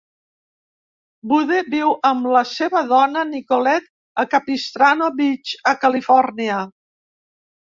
Budde viu amb la seva dona Nicolette a Capistrano Beach, a Califòrnia.